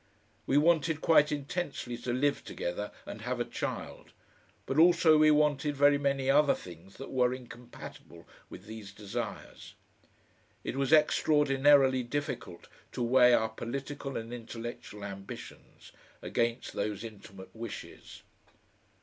We wanted quite intensely to live together and have a child, but also we wanted very many other things that were incompatible with these desires. It was extraordinarily difficult to weigh our political and intellectual ambitions against those intimate wishes.